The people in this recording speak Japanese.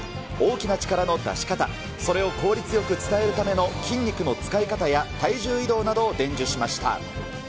大きな力の出し方、それを効率よく伝えるための筋肉の使い方や体重移動などを伝授しました。